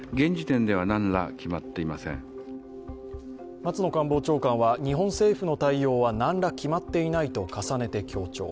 松野官房長官は、日本政府の対応は何ら決まっていないと重ねて強調。